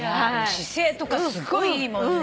姿勢とかすごいいいもんね。